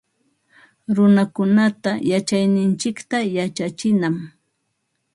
Runakunata yachayninchikta yachachinam